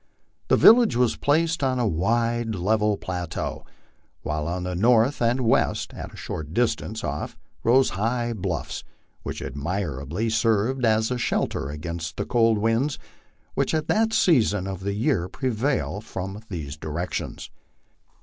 The village was placed on a wide, level plateau, while on the north and west, at a short distance off, rose high bluffs, which admirably served as a shelter against the cold winds which at that season of the year prevail from these directions.